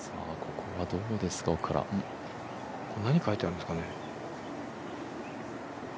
何書いてあるんですかね。